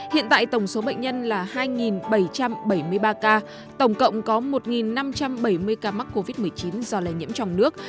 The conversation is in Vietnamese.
hiện tại tổng số bệnh nhân là hai bảy trăm bảy mươi ba ca tổng cộng có một năm trăm bảy mươi ca mắc covid một mươi chín do lây nhiễm trong nước